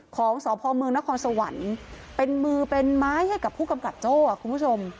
ของสพเมืองนครสวรรค์เป็นมือเป็นไม้ให้กับผู้กำกับโจ้คุณผู้ชม